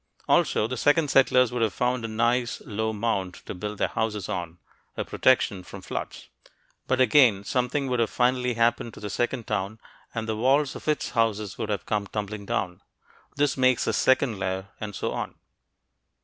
Also, the second settlers would have found a nice low mound to build their houses on, a protection from floods. But again, something would finally have happened to the second town, and the walls of its houses would have come tumbling down. This makes the second layer. And so on....